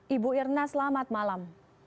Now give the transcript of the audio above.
ibu irna selamat malam